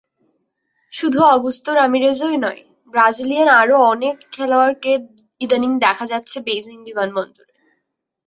শুধু অগুস্তো-রামিরেজই নয়, ব্রাজিলিয়ান আরও অনেক খেলোয়াড়কে ইদানীং দেখা যাচ্ছে বেইজিং বিমানবন্দরে।